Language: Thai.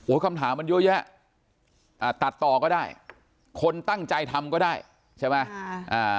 คำถามมันเยอะแยะอ่าตัดต่อก็ได้คนตั้งใจทำก็ได้ใช่ไหม